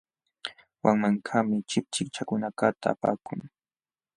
Wanmankaqmi chipchichakunakaqta apakun.